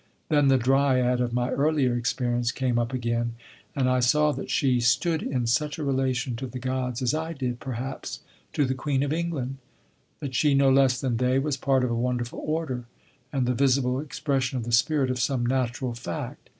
Then the Dryad of my earlier experience came up again, and I saw that she stood in such a relation to the Gods as I did, perhaps, to the Queen of England; that she, no less than they, was part of a wonderful order, and the visible expression of the spirit of some Natural Fact.